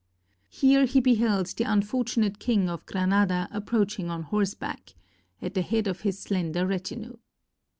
Here he beheld the unfortunate King of Granada approaching on horseback, at the head of his slender retinue.